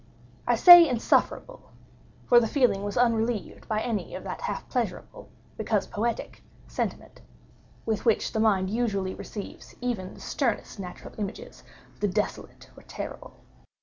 I say insufferable; for the feeling was unrelieved by any of that half pleasurable, because poetic, sentiment, with which the mind usually receives even the sternest natural images of the desolate or terrible.